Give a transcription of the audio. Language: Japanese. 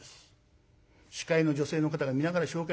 司会の女性の方が見ながら紹介いたしました。